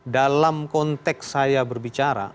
dalam konteks saya berbicara